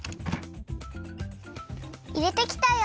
いれてきたよ。